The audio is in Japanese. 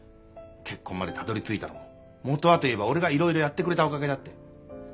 結婚までたどりついたのも本はといえば俺が色々やってくれたおかげだって。